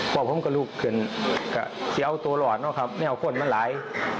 พ่อผมก็ลุกขึ้นก็เคี้ยวตัวหลอดเนอะครับไม่เอาคนมาไหล